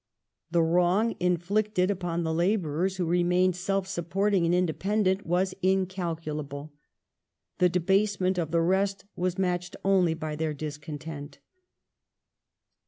The wrong inflicted upon the labourers who remained self supporting and independent was incalculable ; the debasement of the rest was matched only by their discontent.